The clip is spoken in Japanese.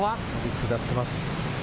下ってます。